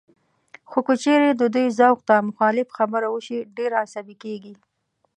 خو که چېرې د دوی ذوق ته مخالف خبره وشي، ډېر عصبي کېږي